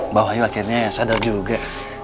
mbak wahyu akhirnya sadar juga